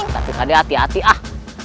tapi pada hati hati ah